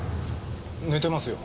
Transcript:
寝てますよ。